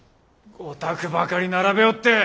御託ばかり並べおって！